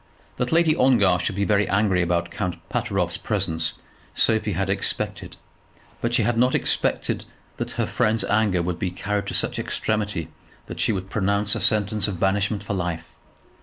That Lady Ongar should be very angry about Count Pateroff's presence Sophie had expected; but she had not expected that her friend's anger would be carried to such extremity that she would pronounce a sentence of banishment for life.